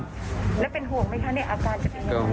แล้วเป็นห่วงไหมคะเนี่ยอาการจะเป็นยังไง